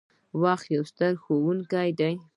• وخت یو ستر ښوونکی دی.